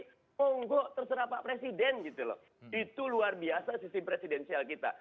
konggo terserah pak presiden itu luar biasa sisi presidensial kita